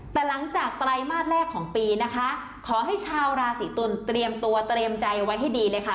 แต่หลังจากไตรมาสแรกของปีนะคะขอให้ชาวราศีตุลเตรียมตัวเตรียมใจไว้ให้ดีเลยค่ะ